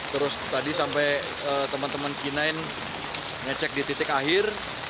terus tadi sampai teman teman k sembilan ngecek di titik akhir